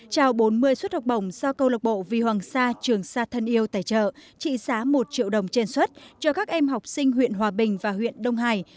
trao bốn mươi suất học bổng do câu lạc bộ vì hoàng sa trường sa thân yêu tài trợ trị giá một triệu đồng trên xuất cho các em học sinh huyện hòa bình và huyện đông hải